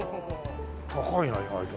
高いな意外と。